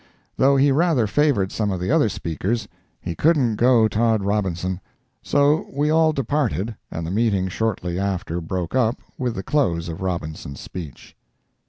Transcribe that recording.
Though he rather favored some of the other speakers, he couldn't go Tod Robinson. So we all departed, and the meeting shortly after broke up, with the close of Robinson's speech.